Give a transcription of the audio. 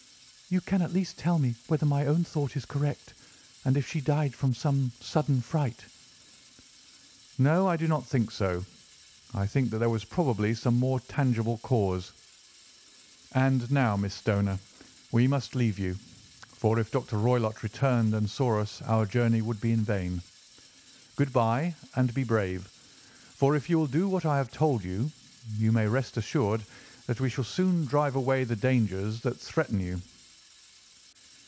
"You can at least tell me whether my own thought is correct, and if she died from some sudden fright." "No, I do not think so. I think that there was probably some more tangible cause. And now, Miss Stoner, we must leave you for if Dr. Roylott returned and saw us our journey would be in vain. Good bye, and be brave, for if you will do what I have told you, you may rest assured that we shall soon drive away the dangers that threaten you."